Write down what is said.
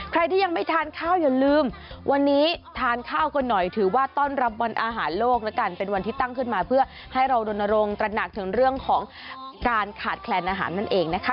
ใครที่ยังไม่ทานข้าวอย่าลืมวันนี้ทานข้าวกันหน่อยถือว่าต้อนรับวันอาหารโลกแล้วกันเป็นวันที่ตั้งขึ้นมาเพื่อให้เรารณรงค์ตระหนักถึงเรื่องของการขาดแคลนอาหารนั่นเองนะคะ